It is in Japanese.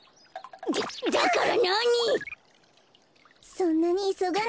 そんなにいそがないで。